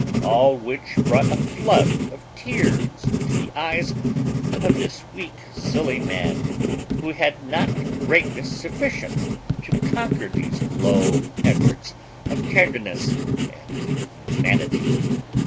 All which brought a flood of tears into the eyes of this weak, silly man, who had not greatness sufficient to conquer these low efforts of tenderness and humanity.